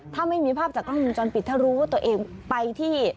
ถ้าไม่มีภาพจากกล้องวงจรปิดถ้ารู้ว่าตัวเองไปที่